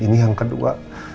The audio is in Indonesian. ini yang kedua